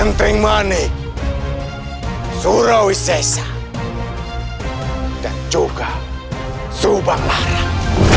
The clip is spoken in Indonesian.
kenting manik surawisesa dan juga subanglarang